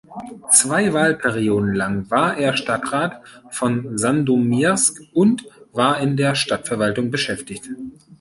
Zwei Wahlperioden lang war er Stadtrat von Sandomierz und war in der Stadtverwaltung beschäftigt.